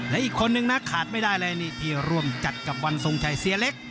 และอีกคนนึงนะขาดไม่ได้เลยนี่ที่ร่วมจัดกับวันทรงชัยเสียเล็ก